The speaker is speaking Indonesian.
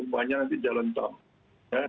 menarakan jalan tol